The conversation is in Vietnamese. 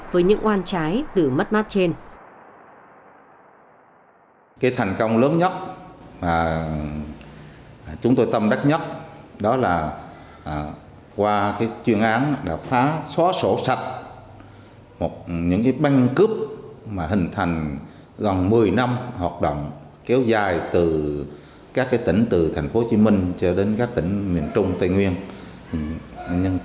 với những oan trái từ mất mát trên